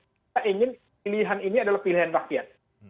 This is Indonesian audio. kita ingin pilihan ini adalah pilihan rakyat